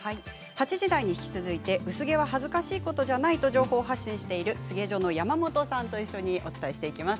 ８時台に引き続いて薄毛は恥ずかしいことじゃないと情報発信しているすげじょのやまもとさんと一緒にお伝えしていきます。